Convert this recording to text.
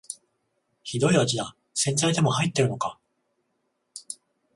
ひどい味だ、洗剤でも入ってるのか